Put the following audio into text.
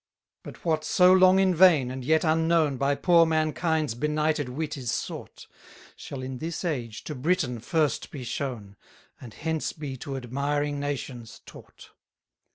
161 But what so long in vain, and yet unknown, By poor mankind's benighted wit is sought, Shall in this age to Britain first be shown, And hence be to admiring nations taught.